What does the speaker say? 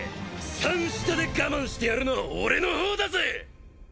三下で我慢してやるのは俺の方だぜ！